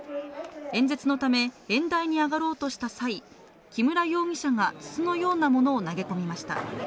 演説のため演台に上がろうとした際木村容疑者が筒のようなものを投げ込みました。